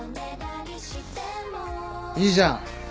いいじゃん。